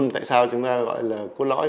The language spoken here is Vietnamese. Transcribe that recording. tại sao chúng ta gọi là cốt lõi